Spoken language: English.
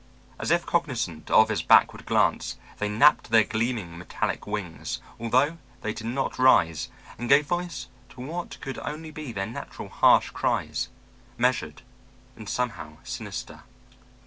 As if cognizant of his backward glance, they napped their gleaming, metallic wings, although they did not rise, and gave voice to what could only be their natural harsh cries, measured and, somehow, sinister.